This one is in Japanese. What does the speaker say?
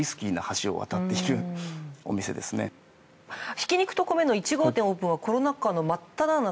挽肉と米の１号店オープンはコロナ禍の真っただ中。